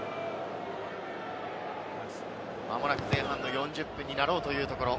まもなく前半の４０分になろうというところ。